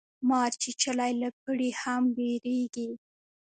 مار چیچلی له پړي هم ویریږي